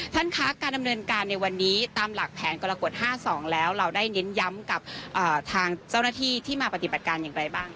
ท่านคะการดำเนินการในวันนี้ตามหลักแผนกรกฎ๕๒แล้วเราได้เน้นย้ำกับทางเจ้าหน้าที่ที่มาปฏิบัติการอย่างไรบ้าง